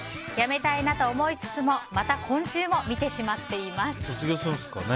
やめたいなと思いつつもまた今週も見てしまっています。